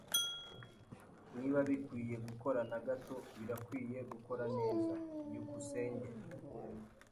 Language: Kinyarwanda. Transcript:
Niba bikwiye gukora na gato, birakwiye gukora neza. byukusenge